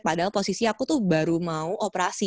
padahal posisi aku tuh baru mau operasi